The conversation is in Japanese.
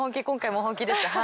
今回も本気です。